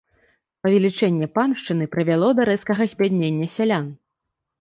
Павелічэнне паншчыны прывяло да рэзкага збяднення сялян.